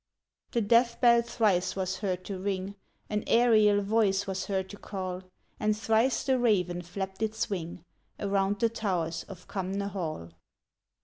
The death bell thrice was heard to ring, An aerial voice was heard to call, And thrice the raven flapped its wing Around the towers of Cumnor Hall.